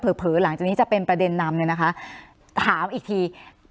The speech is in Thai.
เผลอหลังจากนี้จะเป็นประเด็นนำเนี่ยนะคะถามอีกที